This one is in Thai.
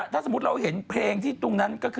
ถ้าสมมติเราเห็นเพลงที่ตรงนั้น